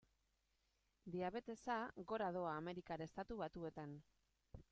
Diabetesa gora doa Amerikar Estatu Batuetan.